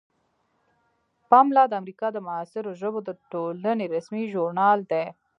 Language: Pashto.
پملا د امریکا د معاصرو ژبو د ټولنې رسمي ژورنال دی.